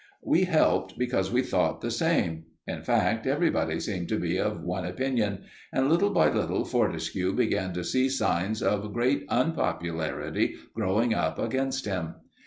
We helped because we thought the same. In fact, everybody seemed to be of one opinion, and little by little Fortescue began to see signs of great unpopularity growing up against him.